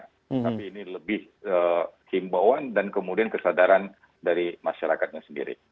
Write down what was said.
tapi ini lebih himbauan dan kemudian kesadaran dari masyarakatnya sendiri